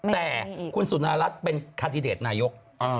แต่คุณสุนารัฐเป็นคาดิเดตนายก